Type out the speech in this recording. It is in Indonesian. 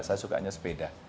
saya sukanya sepeda